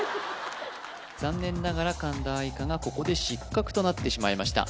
残念ながら神田愛花がここで失格となってしまいました